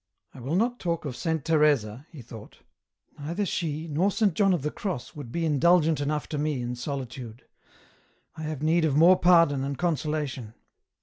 " I will not talk of Saint Teresa," he thought ;" neither she, nor Saint John of the Cross, would be indulgent enough to me in solitude ; I have need of more pardon and con solation."